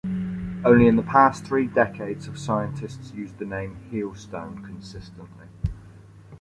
Only in the past three decades have scientists used the name "Heel Stone" consistently.